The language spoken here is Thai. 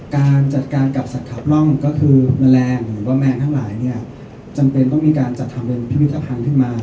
การจัดการกับสัตว์ขาบร่องก็คือแมงแรงหรือว่ามีการจดทำเป็นพิวิทรภัณฑ์ถึงมา